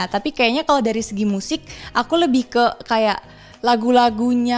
tapi kayaknya kalau dari segi musik aku lebih ke kayak lagu lagunya